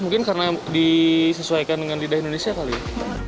mungkin karena disesuaikan dengan lidah indonesia kali ya